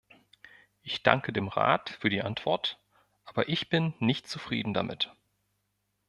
Ich danke dem Rat für die Antwort, aber ich bin nicht zufrieden damit.